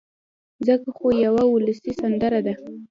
ځکه خو يوه اولسي سندره ده